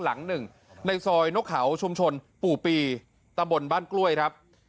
หลังหนึ่งในซอยนกเขาชุมชนปู่ปีตำบลบ้านกล้วยครับ